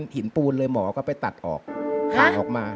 ปูนเลยหมอก็ไปตัดออกผ่าออกมา